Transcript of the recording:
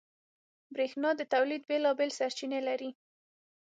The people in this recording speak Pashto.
برېښنا د تولید بېلابېل سرچینې لري.